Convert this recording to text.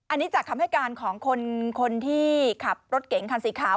อันนี้จากคำให้การของคนที่ขับรถเก๋งคันสีขาว